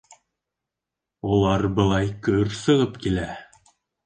Улар, былай, көр сығып килә...